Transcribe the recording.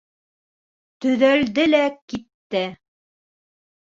Төҙәлде лә китте.